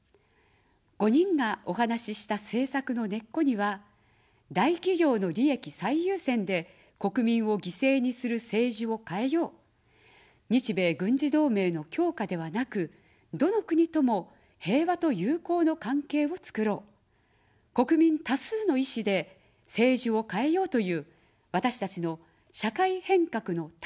５人がお話した政策の根っこには、大企業の利益最優先で国民を犠牲にする政治を変えよう、日米軍事同盟の強化ではなく、どの国とも、平和と友好の関係をつくろう、国民多数の意思で政治を変えようという、私たちの社会変革の立場があります。